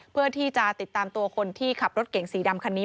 เพื่อที่จะติดตามตัวคนที่ขับรถเก่งสีดำคันนี้